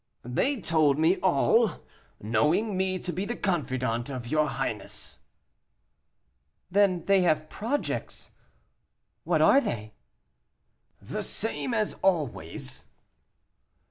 "They told me all, knowing me to be the confidant of your highness." "Then they have projects. What are they?" "The same always."